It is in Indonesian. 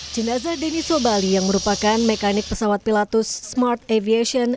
jenazah deni sobali yang merupakan mekanik pesawat pilatus smart aviation